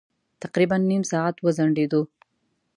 تقريباً نيم ساعت وځنډېدو.